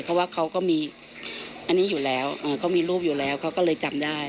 เพราะว่าเขาก็มีอันนี้อยู่แล้วเขามีรูปอยู่แล้วเขาก็เลยจำได้